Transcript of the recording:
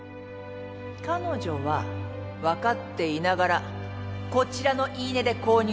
彼女はわかっていながらこちらの言い値で購入したの。